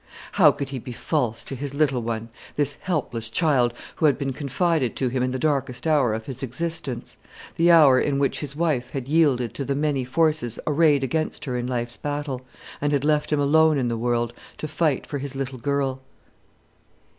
How could he be false to his little one, this helpless child, who had been confided to him in the darkest hour of his existence; the hour in which his wife had yielded to the many forces arrayed against her in life's battle, and had left him alone in the world to fight for his little girl?